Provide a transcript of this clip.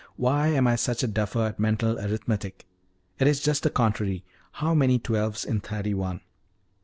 Why am I such a duffer at mental arithmetic! It is just the contrary how many twelves in thirty one?